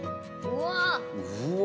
うわ！